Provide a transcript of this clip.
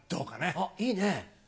おっいいね！